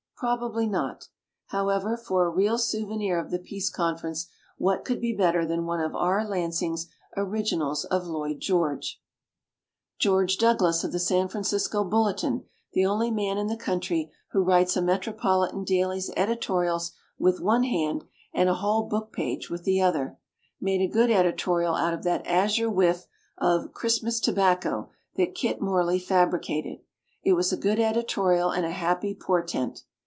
Probably not. How ever, for a real souvenir of the Peace Conference, what could be better than one of R. Lansing's originals of Lloyd George? 96 THE BOOKMAN George Douglas of the San Fran cisco "Bulletin", the only man in the country who writes a metropolitan daily's editorials with one hand and a whole book page with the other, made a good editorial out of that azure whiff of "Christmas Tobacco" that Kit Morley fabricated. It was a good edi torial and a happy portent.